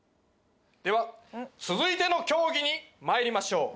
では続いての競技にまいりましょう。